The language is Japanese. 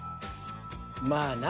まあな。